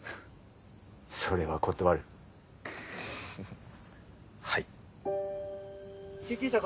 それは断るはい・救急車